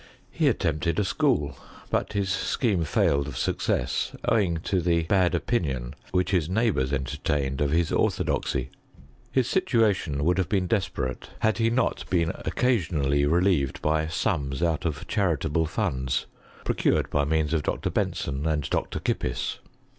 He attempted a school; but his scheme fuled of success, owing to the bad opinion which his neighbours entertained of his orthodoxy. His situ ation would have been desperate, had he not been occasionally relieved by sums out of charitable funds, procured by means of Dr. Benson, and Dr. ' IS.